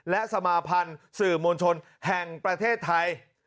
และสมาพันธ์สื่อมวลชนแห่งประเทศไทย